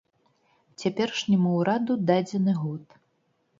Цяперашняму ўраду дадзены год.